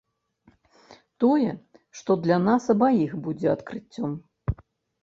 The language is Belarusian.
Тое, што для нас абаіх будзе адкрыццём.